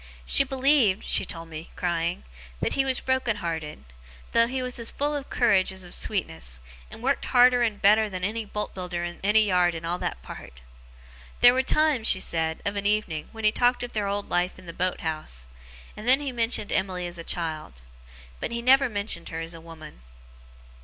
She believed (she told me, crying) that he was broken hearted; though he was as full of courage as of sweetness, and worked harder and better than any boat builder in any yard in all that part. There were times, she said, of an evening, when he talked of their old life in the boat house; and then he mentioned Emily as a child. But, he never mentioned her as a woman.